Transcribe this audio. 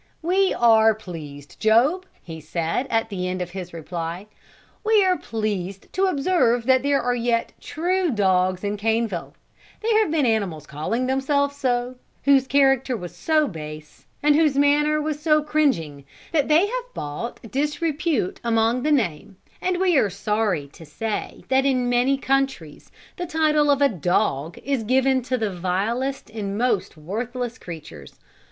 "We are pleased, Job," he said, at the end of his reply, "we are pleased to observe that there are yet true dogs in Caneville; there have been animals calling themselves so, whose character was so base, and whose manner was so cringing, that they have brought disrepute upon the name; and we are sorry to say that in many countries the title of a dog is given to the vilest and most worthless creatures.